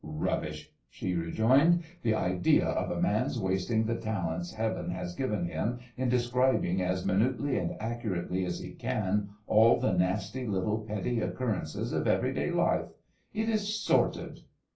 "Rubbish!" she rejoined. "The idea of a man's wasting the talents heaven has given him in describing as minutely and accurately as he can all the nasty, little, petty occurrences of everyday life! It is sordid!"